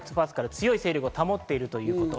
強い勢力を保っているということ。